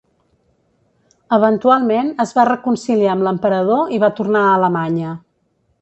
Eventualment es va reconciliar amb l'emperador i va tornar a Alemanya.